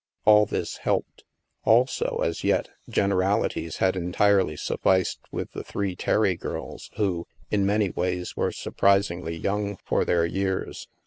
All this helped. Also, as yet, generalities had en tirely sufficed with the three Terry girls who, in many ways, were surprisingly young for their years.